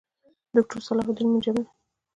دوکتور صلاح الدین المنجد